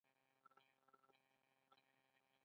چیرې چې جهالت نه وي.